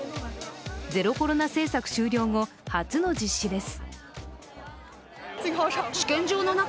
ゼロコロナ政策終了後初の実施です。